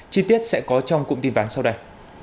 chi tiết sẽ có trong cụm tin ván sau đây